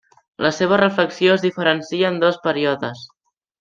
La seva reflexió es diferencia en dos períodes.